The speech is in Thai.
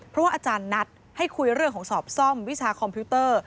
เพราะว่าอาจารย์นัดให้คุยเรื่องของสอบซ่อมวิชาคอมพิวเตอร์